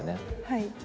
はい。